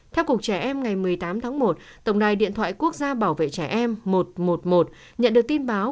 theo cục trẻ em ngày một mươi tám tháng một tổng đài điện thoại quốc gia bảo vệ trẻ em một trăm một mươi một nhận được tin báo